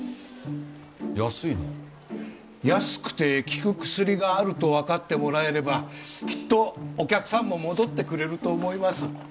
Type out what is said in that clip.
安いな。安くて効く薬があるとわかってもらえればきっとお客さんも戻ってくれると思います。